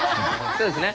そうですね。